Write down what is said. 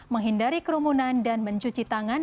menghindari kerumunan dan mencuci tangan